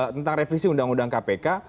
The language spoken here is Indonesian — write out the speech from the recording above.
tentang revisi undang undang kpk